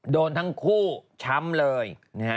โดนทั้งคู่ช้ำเลย